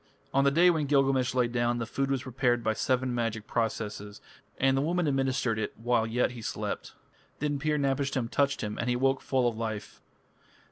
On the day when Gilgamesh lay down, the food was prepared by seven magic processes, and the woman administered it while yet he slept. Then Pir napishtim touched him, and he awoke full of life.